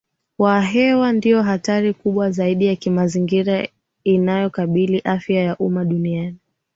wa hewa ndio hatari kubwa zaidi ya kimazingira inayokabili afya ya umma duniani